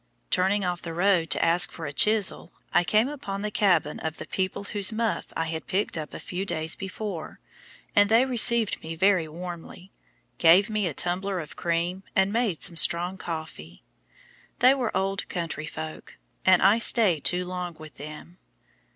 Turning off the road to ask for a chisel, I came upon the cabin of the people whose muff I had picked up a few days before, and they received me very warmly, gave me a tumbler of cream, and made some strong coffee. They were "old Country folk," and I stayed too long with them.